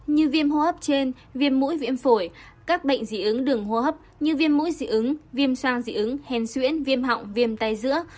như viêm hô hấp trên viêm mũi viêm phổi các bệnh dị ứng đường hô hấp như viêm mũi dị ứng viêm soang dị ứng hèn xuyễn viêm họng viêm tay giữa